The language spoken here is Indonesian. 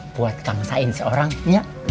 buat kang sain seorangnya